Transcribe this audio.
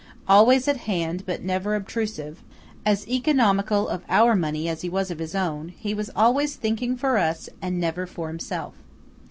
Always at hand, but never obtrusive, as economical of our money as of his own, he was always thinking for us and never for himself.